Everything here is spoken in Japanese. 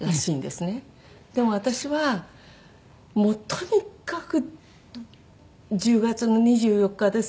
でも私はもうとにかく１０月の２４日です。